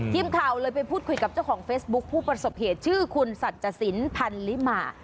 ทีมข่าวเลยไปพูดคุยกับเจ้าของเฟซบุ๊คผู้ประสบเหตุชื่อคุณสัจสินพันลิมา